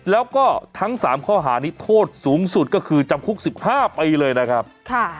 แล้วก็ทั้ง๓ข้อหานี้โทษสูงสุดก็คือจำคุก๑๕ปีเลยนะครับ